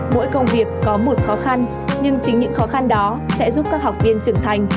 mỗi công việc có một khó khăn nhưng chính những khó khăn đó sẽ giúp các học viên trưởng thành